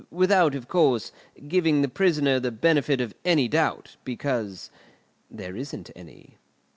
Without, of course, giving the prisoner the benefit of any doubt, because there isn't any."